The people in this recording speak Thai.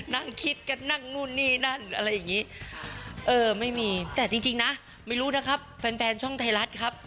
นั่งคิดกันนั่งนู่นนี่นั่นอะไรอย่างนี้เออไม่มีแต่จริงนะไม่รู้นะครับแฟนแฟนช่องไทยรัฐครับ